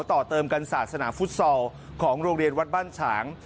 ต่อเติมกันศาสนาฟุตซอลของโรงเรียนวัดบ้านฉาง